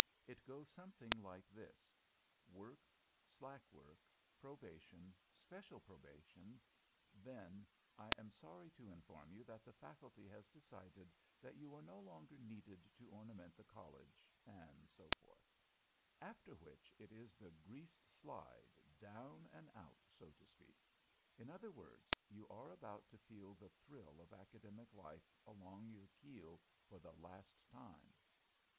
It goes something like this: work, slack work, probation, special probation, then, "I am sorry to inform you that the Faculty has decided that you are no longer needed to ornament the College," etc. After which, it is the greased slide, down and out, so to speak. In other words, you are about to feel the thrill of Academic life along your keel for the last time.